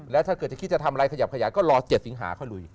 แล้วถ้าเกิดจะคิดจะทำอะไรขยับขยายก็รอ๗สิงหาเขาลุย